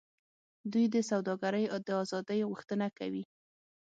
دوی د سوداګرۍ د آزادۍ غوښتنه کوي